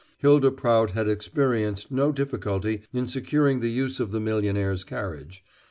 Hylda Prout had experienced no difficulty in securing the use of the millionaire's carriage.